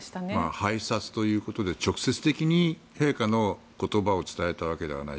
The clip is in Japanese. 拝察ということで直接的に陛下の言葉を伝えたわけではない。